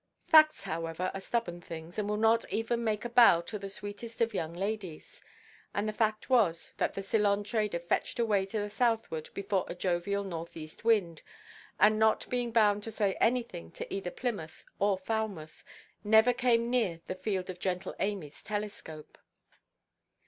Facts, however, are stubborn things, and will not even make a bow to the sweetest of young ladies. And the fact was that the Ceylon trader fetched away to the southward before a jovial north–east wind, and, not being bound to say anything to either Plymouth or Falmouth, never came near the field of gentle Amyʼs telescope.